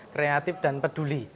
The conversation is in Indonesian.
kreatif dan peduli